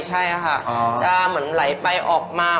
ใช่ค่ะจะเหมือนไหลไปออกมา